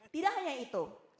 tidak hanya itu